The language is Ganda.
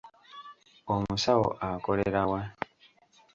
Omusawo akolera wa?